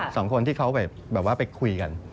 สองคนที่เขาไปคุยกัน